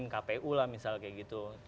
kpu lah misal kayak gitu